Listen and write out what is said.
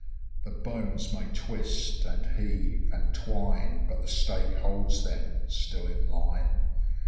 The bones may twist, and heave, and twine, but the stake holds them still in line.